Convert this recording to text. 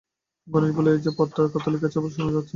গণেশ বললে, ঐ যে পথটার কথা লিখেছ ভালো শোনাচ্ছে না।